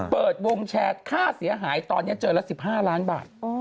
เปิดวงแชร์ค่าเสียหายตอนนี้เจอละ๑๕ล้านบาท